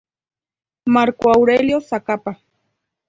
Marco Aurelio Zacapa.